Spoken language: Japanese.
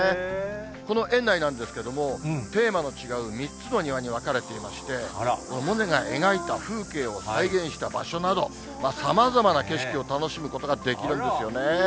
この園内なんですけれども、テーマの違う３つの庭に分かれていまして、モネが描いた風景を再現した場所など、さまざまな景色を楽しむことができるんですよね。